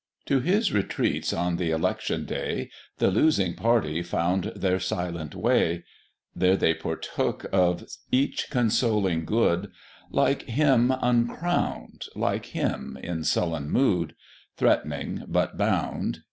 To his retreats, on the Election day, The losing party found their silent way; There they partook of each consoling good, Like him uncrown'd, like him in sullen mood Threat'ning, but bound.